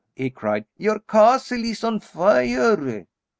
he cried, "your castle is on fire."